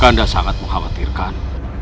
kanda sangat mengkhawatirkan